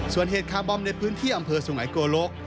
ส่วนเหตุคาร์บอมในพื้นที่อำเภอสุงัยโกลก